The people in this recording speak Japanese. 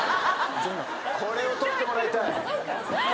これを取ってもらいたい。